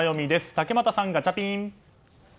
竹俣さん、ガチャピン！